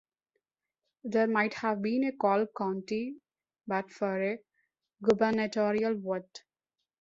There might have been a Call County but for a gubernatorial vote.